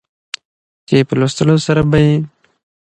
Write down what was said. چې په لوستلو سره به يې